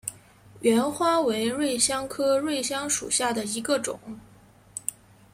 芫花为瑞香科瑞香属下的一个种。